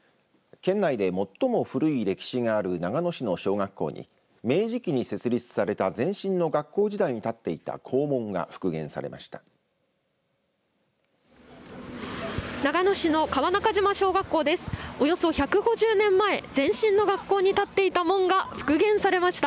県内で最も古い歴史がある長野市の小学校に明治期に設立された前身の学校時代に立っていた校門が復元されました。